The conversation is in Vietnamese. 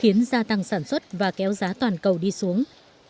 khiến gia tăng sản xuất và kéo giá toàn cầu đi xuống